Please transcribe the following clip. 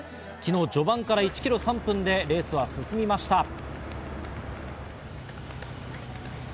昨日、序盤から１キロ３分でレースは進みました。